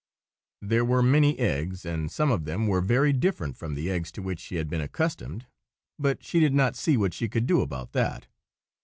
There were many eggs, and some of them were very different from the eggs to which she had been accustomed; but she did not see what she could do about that.